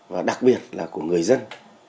và đặc biệt là của người dân